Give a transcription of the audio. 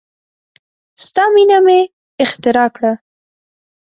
ستا مینه مې اختراع کړه